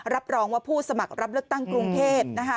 รับรองว่าผู้สมัครรับเลือกตั้งกรุงเทพ